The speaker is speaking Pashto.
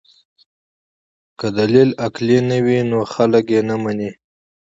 که دلیل عقلي نه وي نو خلک یې نه مني.